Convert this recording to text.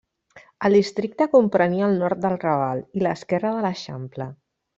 El districte comprenia el nord del Raval i l'Esquerra de l'Eixample.